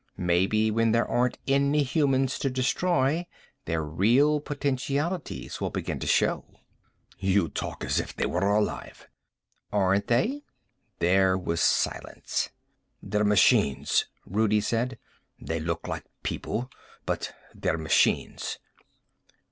Maybe, when there aren't any humans to destroy, their real potentialities will begin to show." "You talk as if they were alive!" "Aren't they?" There was silence. "They're machines," Rudi said. "They look like people, but they're machines."